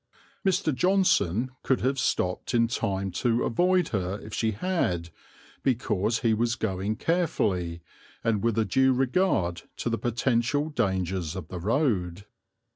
Mr. Johnson could have stopped in time to avoid her if she had, because he was going carefully, and with a due regard to the potential dangers of the road.